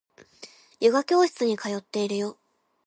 ヨガ教室に通っているよ